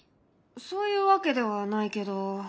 そういうわけではないけど。